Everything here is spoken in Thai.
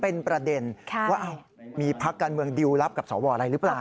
เป็นประเด็นว่ามีพักการเมืองดิวรับกับสวอะไรหรือเปล่า